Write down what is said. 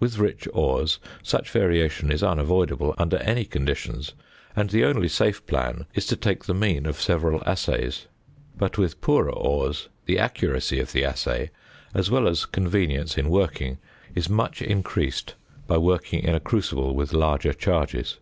With rich ores such variation is unavoidable under any conditions, and the only safe plan is to take the mean of several assays. But with poorer ores the accuracy of the assay, as well as convenience in working, is much increased by working in a crucible with larger charges.